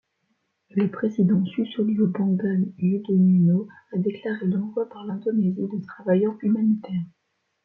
Le président Susilo Bambang Yudhoyono a déclaré l’envoi par l'Indonésie de travailleurs humanitaires.